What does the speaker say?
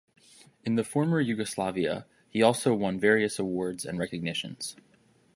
In the former Yugoslavia he also won various awards and recognitions.